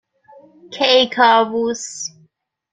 کیکاووس